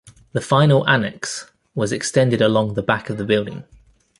The final annex was extended along the back of the building.